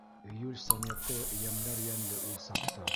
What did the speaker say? Июль сонеты йәмләр йәнде ул саҡта.